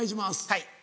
はい。